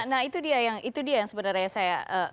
nah itu dia yang sebenarnya saya